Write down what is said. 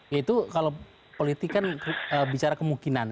ya itu kalau politik kan bicara kemungkinan